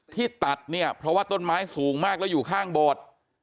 ที่ตัดเนี่ยเพราะว่าต้นไม้สูงมากแล้วอยู่ข้างโบสถ์